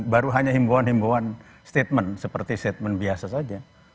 baru hanya himbauan himbauan statement seperti statement biasa saja